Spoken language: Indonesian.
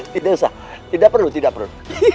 tidak usah tidak perlu tidak perlu